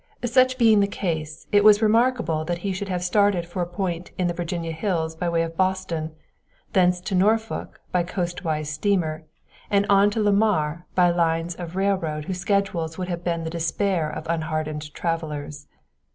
Such being the case, it was remarkable that he should have started for a point in the Virginia hills by way of Boston, thence to Norfolk by coastwise steamer, and on to Lamar by lines of railroad whose schedules would have been the despair of unhardened travelers.